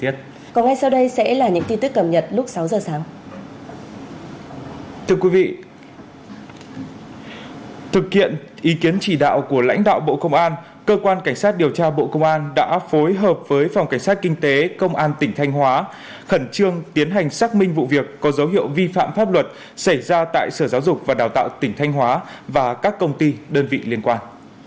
thực kiện ý kiến chỉ đạo của lãnh đạo bộ công an cơ quan cảnh sát điều tra bộ công an đã phối hợp với phòng cảnh sát kinh tế công an tỉnh thanh hóa khẩn trương tiến hành xác minh vụ việc có dấu hiệu vi phạm pháp luật xảy ra tại sở giáo dục và đào tạo tỉnh thanh hóa và các công ty đơn vị liên quan